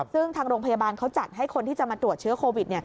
ซึ่งทางโรงพยาบาลเขาจัดให้คนที่จะมาตรวจเชื้อโควิด